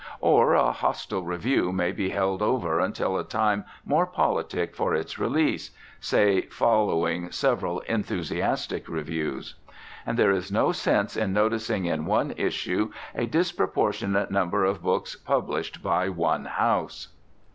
Or a hostile review may be held over until a time more politic for its release, say following several enthusiastic reviews. And there is no sense in noticing in one issue a disproportionate number of books published by one house.